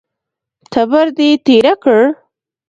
تبر دې تېره کړه!